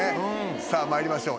さあ、まいりましょう。